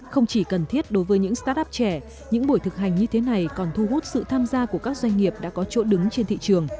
không chỉ cần thiết đối với những start up trẻ những buổi thực hành như thế này còn thu hút sự tham gia của các doanh nghiệp đã có chỗ đứng trên thị trường